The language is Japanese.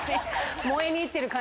燃えに行ってる感じ。